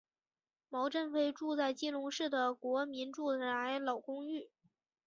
毛振飞住在基隆市的国民住宅老公寓。